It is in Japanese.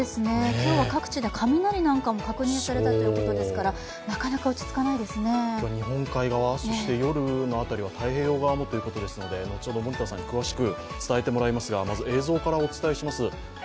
今日は各地で雷など確認されたということですから、日本海側、夜の辺りは太平洋側もということですので、後ほど森田さんに詳しく伝えてもらいますが、まず映像からお伝えします。